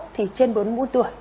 thì trên bốn mươi tuổi